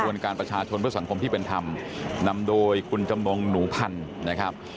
วนการประชาชนเพื่อสังคมที่เป็นธรรมนำโดยคุณจำนงหนูพันธุ์นะครับ